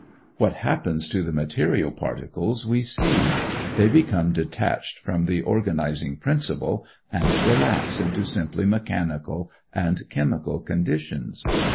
What happens to the material particles, we see: they become detached from the organizing principle, and relapse into simply mechanical and chemical conditions.